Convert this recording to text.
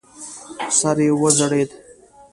سر یې وځړېد.